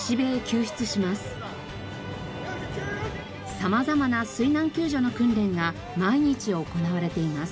様々な水難救助の訓練が毎日行われています。